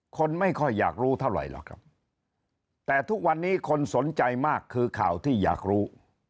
คนไม่ค่อยอยากรู้เท่าไหร่หรอกครับแต่ทุกวันนี้คนสนใจมากคือข่าวที่อยากรู้